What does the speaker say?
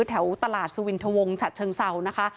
แถวตลาดสุวินทวงฉัดเชิงเศร้านะคะ